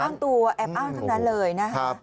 อ้างตัวแอบอ้างทั้งนั้นเลยนะฮะ